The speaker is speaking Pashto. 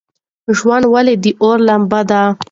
ژوند ولې د اور لمبه ده؟